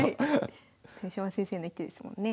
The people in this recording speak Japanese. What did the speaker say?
豊島先生の一手ですもんね。